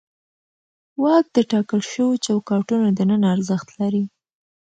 واک د ټاکل شوو چوکاټونو دننه ارزښت لري.